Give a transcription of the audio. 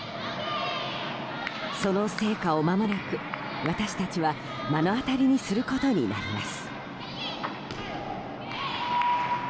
その成果をまもなく私たちは目の当たりにすることになります。